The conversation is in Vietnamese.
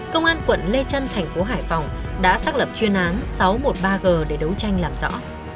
công an quận lê trân thành phố hải phòng đã xác lập chuyên án sáu trăm một mươi ba g để đấu tranh làm rõ